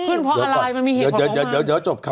ขึ้นเพราะอะไรมันมีเหตุของเขามา